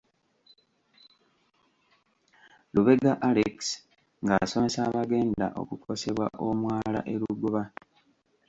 Lubega Alex ng'asomesa abagenda okukosebwa omwala e Lugoba.